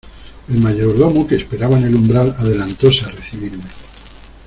el mayordomo que esperaba en el umbral, adelantóse a recibirme